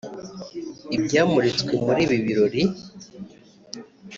Ibyamuritswe muri ibi birori